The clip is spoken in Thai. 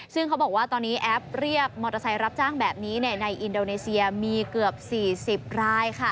ซึ่งเขาบอกว่าตอนนี้แอปเรียกมอเตอร์ไซค์รับจ้างแบบนี้ในอินโดนีเซียมีเกือบ๔๐ราย